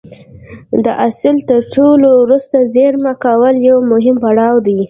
د حاصل ټولولو وروسته زېرمه کول یو مهم پړاو دی.